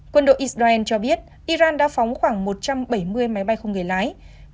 quân đội israel cho biết iran đã phóng khoảng một trăm bảy mươi máy bay không người lái